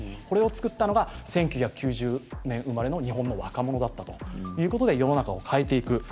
これを作ったのが１９９０年生まれの日本の若者だったということで世の中を変えていく。